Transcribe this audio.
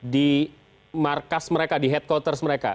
di markas mereka di headquoters mereka